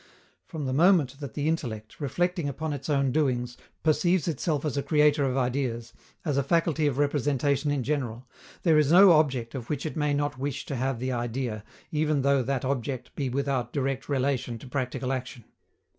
From the moment that the intellect, reflecting upon its own doings, perceives itself as a creator of ideas, as a faculty of representation in general, there is no object of which it may not wish to have the idea, even though that object be without direct relation to practical action.